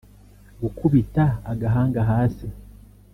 gukubita agahanga hasi